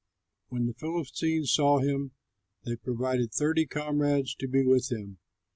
When the Philistines saw him, they provided thirty comrades to be with him.